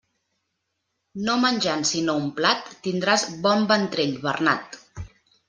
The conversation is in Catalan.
No menjant sinó un plat, tindràs bon ventrell, Bernat.